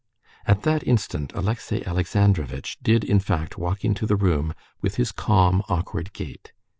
At that instant Alexey Alexandrovitch did in fact walk into the room with his calm, awkward gait.